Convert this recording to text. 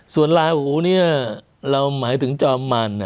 ส่วนลาหูเนี่ยเราหมายถึงจอมมัน